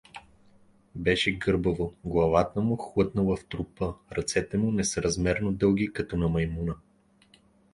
Беше гърбаво, главата му хлътнала в трупа, ръцете му несъразмерно дълги като на маймуна.